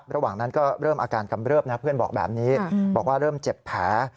ระหว่างนั้นก็เริ่มอาการกำเริบนะเพื่อนบอกแบบนี้บอกว่าเริ่มเจ็บแผล